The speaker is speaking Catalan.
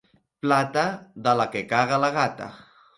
Plata, de la que caga la gata.